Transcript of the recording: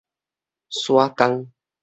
徙工